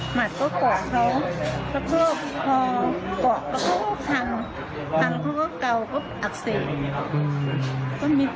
หมัดก็กรอกเขาพอกรอกเขาก็ทัง